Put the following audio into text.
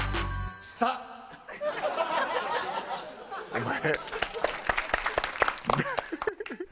お前。